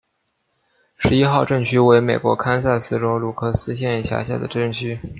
十一号镇区为美国堪萨斯州鲁克斯县辖下的镇区。